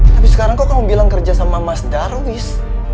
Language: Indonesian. tapi sekarang kok kamu bilang kerjasama mas darwis